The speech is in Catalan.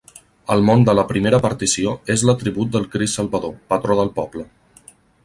El món de la primera partició és l'atribut del Crist Salvador, patró del poble.